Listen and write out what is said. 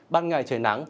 ban ngày trời nắng